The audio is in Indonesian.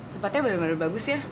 tempatnya benar benar bagus ya